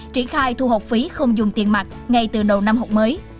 triển khai thu học phí không dùng tiền mặt ngay từ đầu năm học mới